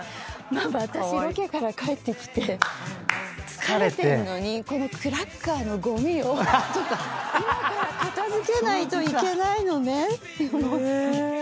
ママ私ロケから帰ってきて疲れてんのにこのクラッカーのごみを今から片付けないといけないのねって思って。